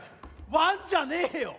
ワンじゃねえよ！